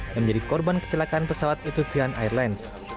yang menjadi korban kecelakaan pesawat ethipian airlines